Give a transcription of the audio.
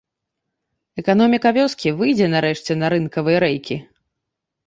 Эканоміка вёскі выйдзе нарэшце на рынкавыя рэйкі.